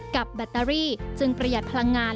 แบตเตอรี่จึงประหยัดพลังงาน